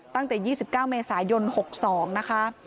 ตั้งแต่๒๙เมษายน๖๒นะคะ